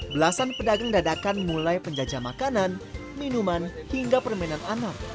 belasan pedagang dadakan mulai penjajah makanan minuman hingga permainan anak